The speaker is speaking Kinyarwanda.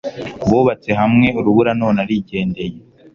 Bubatse hamwe urubura none arijyendeye